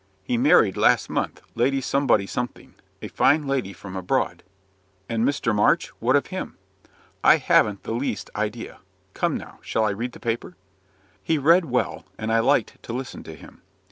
He married, last month, Lady Somebody Something, a fine lady from abroad." "And Mr. March what of him?" "I haven't the least idea. Come now, shall I read the paper?" He read well, and I liked to listen to him.